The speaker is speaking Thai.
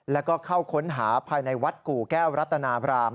แล้วก็เข้าค้นหาภายในวัดกู่แก้วรัตนาบราม